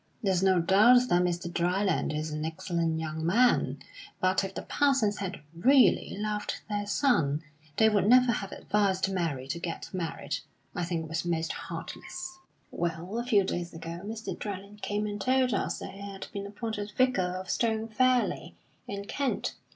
There is no doubt that Mr. Dryland is an excellent young man, but if the Parsons had really loved their son, they would never have advised Mary to get married. I think it was most heartless. "Well, a few days ago, Mr. Dryland came and told us that he had been appointed vicar of Stone Fairley, in Kent.